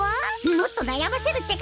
もっとなやませるってか！